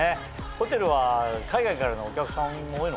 ホテルは海外からのお客さんも多いのかな？